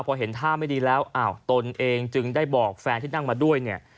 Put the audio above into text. พอเห็นท่าไม่ดีแล้วอ้าวตนเองจึงได้บอกแฟนที่นั่งมาด้วยเนี่ย